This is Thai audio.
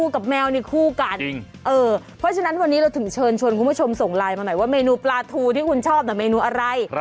คุณผู้ชมส่งไลน์มาหน่อยว่าเมนูปลาถูที่คุณชอบแต่เมนูอะไร